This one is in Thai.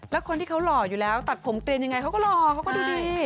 และคนที่เขารออยู่แล้วตัดผมเตรียนยังไงเขาก็รอก็ดูดี